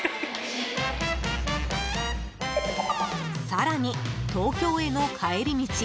更に東京への帰り道